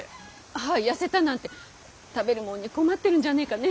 はぁ痩せたなんて食べるもんに困ってるんじゃねぇかね。